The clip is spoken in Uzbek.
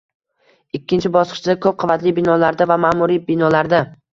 Ikkinchi bosqichda - ko'p qavatli binolarda va ma'muriy binolarda